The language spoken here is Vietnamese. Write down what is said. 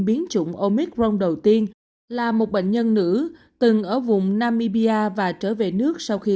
biến chủng omic rong đầu tiên là một bệnh nhân nữ từng ở vùng namibia và trở về nước sau khi